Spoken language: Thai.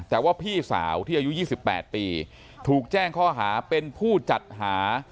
แต่ว่าพี่สาวที่อายุ๒๘ปีถูกแจ้งข้อหาเป็นผู้จัดหา